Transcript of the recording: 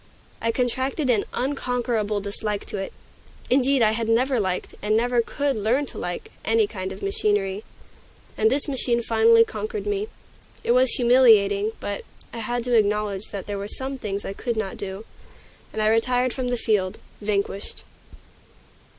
I contracted an unconquerable dislike to it; indeed, I had never liked, and never could learn to like, any kind of machinery. And this machine finally conquered me. It was humiliating, but I had to acknowledge that there were some things I could not do, and I retired from the field, vanquished.